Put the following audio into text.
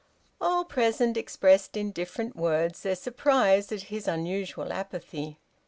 All present expressed in different words their surprise at his unusual apathy.